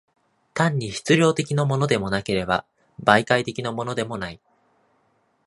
単に質料的のものでもなければ、媒介的のものでもない。